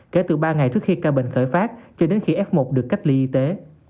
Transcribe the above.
kể từ ba ngày trước khi ca bệnh khởi phát cho đến khi f một được cách ly y tế